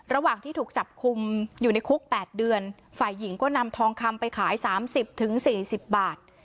ระหว่างที่ถูกจับคุมอยู่ในคุก๘เดือนฝ่ายหญิงก็นำทองคำไปขาย๓๐๔๐บาท